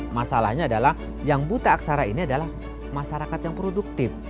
masalahnya adalah yang buta aksara ini adalah masyarakat yang produktif